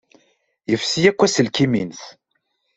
Yefsi akk aselkim-nnes.